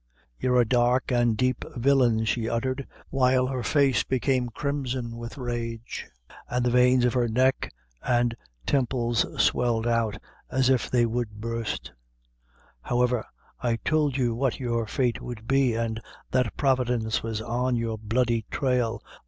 "You're a dark an' deep villain," she uttered, while her face became crimson with rage, and the veins of her neck and temples swelled out as if they would burst; "however, I tould you what your fate would be, an' that Providence was on your bloody trail.